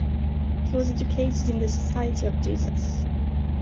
He was educated in the Society of Jesus.